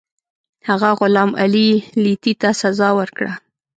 هغه غلام علي لیتي ته سزا ورکړه.